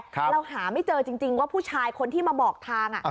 เราหาไม่เจอจริงว่าผู้ชายคนที่มาบอกทาง